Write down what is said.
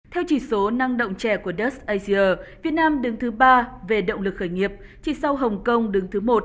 theo chỉ số năng động trẻ của des asia việt nam đứng thứ ba về động lực khởi nghiệp chỉ sau hồng kông đứng thứ một